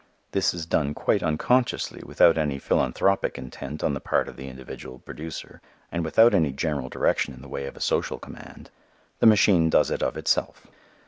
This is done quite unconsciously without any philanthropic intent on the part of the individual producer and without any general direction in the way of a social command. The machine does it of itself.